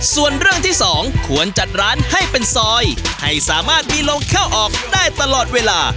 ส่วนเรื่องที่สองควรจัดร้านให้เป็นซอยให้สามารถมีลมเข้าออกได้ตลอดเวลา